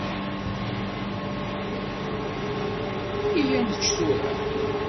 Iyya ad nečč tura.